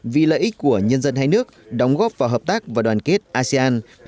vì lợi ích của nhân dân hai nước đóng góp vào hợp tác và đoàn kết asean